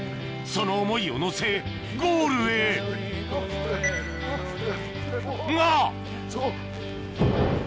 その思いを乗せゴールへが！